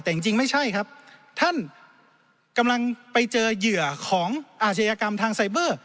แต่จริงไม่ใช่ครับท่านกำลังไปเจอเหยื่อของอาชญากรรมทางไซเบอร์